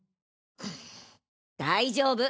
ん大丈夫！